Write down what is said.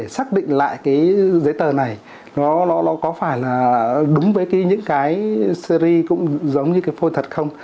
xác định lại cái giấy tờ này nó có phải là đúng với những cái series cũng giống như cái phôi thật không